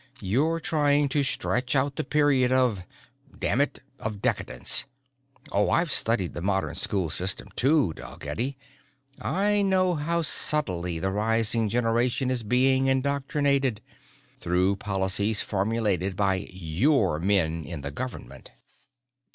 "You're trying to stretch out the period of damn it, of decadence! Oh, I've studied the modern school system too, Dalgetty. I know how subtly the rising generation is being indoctrinated through policies formulated by your men in the government."